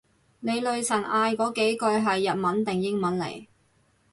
你女神嗌嗰幾句係日文定英文嚟？